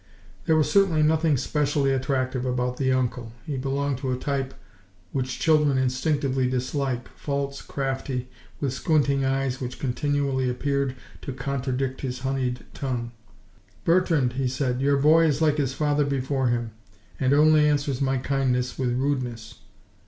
There was certainly nothing specially attractive about the uncle: he belonged to a type which children instinctively dislike, false, crafty, with squinting eyes which continually appeared to contradict his honeyed tongue. "Bertrande," he said, "your boy is like his father before him, and only answers my kindness with rudeness."